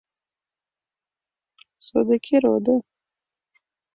Содыки родо.